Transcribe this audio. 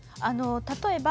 例えば